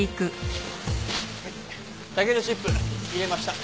竹のチップ入れました。